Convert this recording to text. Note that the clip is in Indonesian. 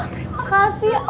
terima kasih ya allah